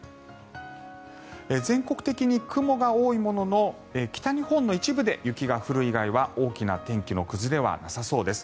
全国的に雲が多いものの北日本の一部で雪が降る以外は大きな天気の崩れはなさそうです。